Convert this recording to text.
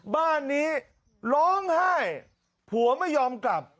บ้านนี้ร้องไห้ผัวไม่ยอมกลับ